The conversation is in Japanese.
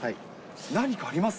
何かあります？